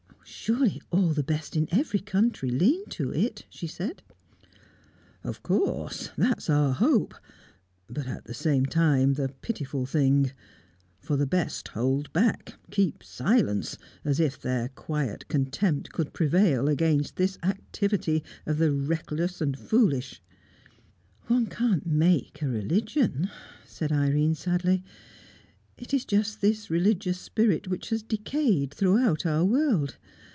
"Surely all the best in every country lean to it," she said. "Of course! That's our hope but at the same time the pitiful thing; for the best hold back, keep silence, as if their quiet contempt could prevail against this activity of the reckless and the foolish." "One can't make a religion," said Irene sadly. "It is just this religious spirit which has decayed throughout our world.